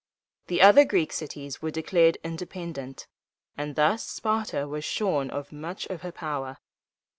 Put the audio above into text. The other Greek cities were declared independent, and thus Sparta was shorn of much of her power.